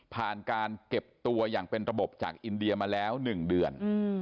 การเก็บตัวอย่างเป็นระบบจากอินเดียมาแล้ว๑เดือน